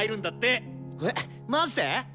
えっマジで！？